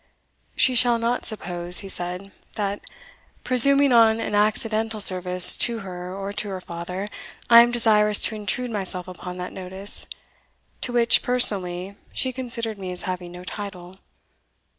"She shall not suppose," he said, "that, presuming on an accidental service to her or to her father, I am desirous to intrude myself upon that notice, to which, personally, she considered me as having no title.